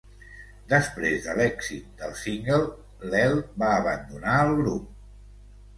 Després de l'èxit del single, l'Elle va abandonar el grup.